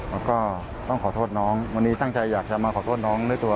แล้วก็ต้องขอโทษน้องวันนี้ตั้งใจอยากจะมาขอโทษน้องด้วยตัว